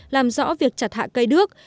làm rõ việc chặt hạ cây đước